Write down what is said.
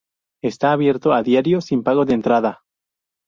Está abierto a diario sin pago de entrada.